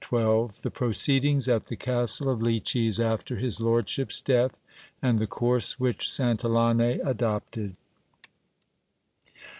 — The proceedings at tJie Castle of Loeches after his lordship's death, and the course which Santillane adopted.